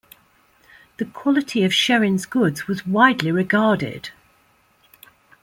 The quality of Sherrin's goods was widely regarded.